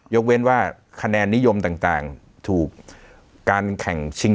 ยกเว้นว่าคะแนนนิยมต่างถูกการแข่งชิง